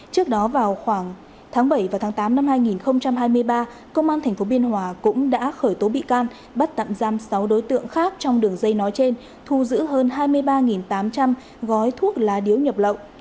trước đó vào khoảng tháng bảy và tháng tám năm hai nghìn hai mươi ba công an tp biên hòa cũng đã khởi tố bị can bắt tạm giam sáu đối tượng khác trong đường dây nói trên thu giữ hơn hai mươi ba tám trăm linh gói thuốc lá điếu nhập lậu